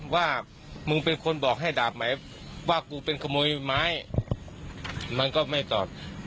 หมายว่ากูเป็นขโมยไม้มันก็ไม่ตอบ